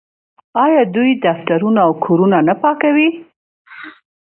آیا دوی دفترونه او کورونه نه پاکوي؟